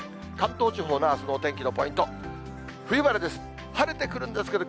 関東地方のあすのお天気のポイント、冬晴れです。